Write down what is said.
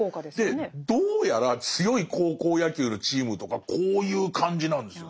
でどうやら強い高校野球のチームとかこういう感じなんですよ。